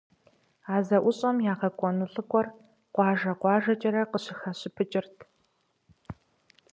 А зэӀущӀэм ягъэкӀуэну лӀыкӀуэхэр къуажэ-къуажэкӀэрэ къыщыхащыпыкӀырт.